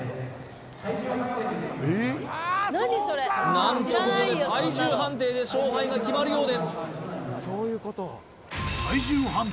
何とここで体重判定で勝敗が決まるようです